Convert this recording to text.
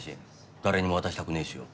誰にも渡したくねぇしよ。